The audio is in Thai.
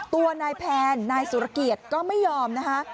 ตัวนายแพนนายสุรเกียรติก็ไม่ยอมนะคะ